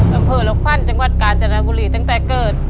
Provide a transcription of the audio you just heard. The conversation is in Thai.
อำเภอลกควันจังหวัดกาญจนบุรีตั้งแต่เกิด